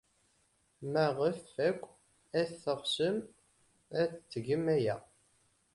Maɣef akk at teɣsemt ad tgemt aya?